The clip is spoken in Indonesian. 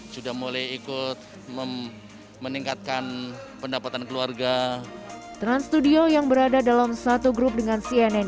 sudah mulai ikut meningkatkan pendapatan keluarga trans studio yang berada dalam satu grup dengan cnn